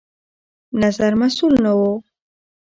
نظر مسوول نه يو